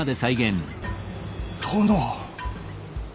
殿。